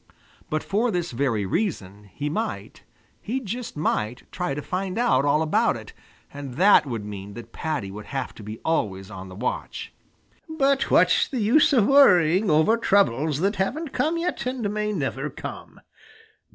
But for this very reason he might, he just might, try to find out all about it, and that would mean that Paddy would have to be always on the watch. "But what's the use of worrying over troubles that haven't come yet, and may never come?